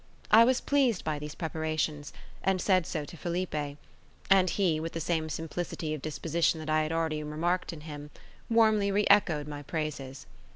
I was pleased by these preparations, and said so to Felipe; and he, with the same simplicity of disposition that I held already remarked in him, warmly re echoed my praises.